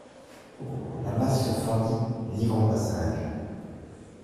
La masse se fendit, livrant passage.